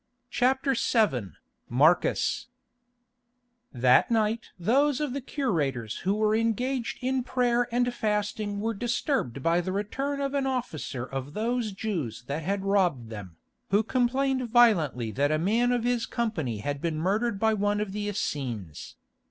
CHAPTER VII MARCUS That night those of the curators who were engaged in prayer and fasting were disturbed by the return of an officer of those Jews that had robbed them, who complained violently that a man of his company had been murdered by one of the Essenes.